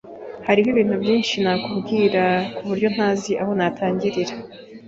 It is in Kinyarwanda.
Hariho ibintu byinshi nakubwira kuburyo ntazi aho natangirira.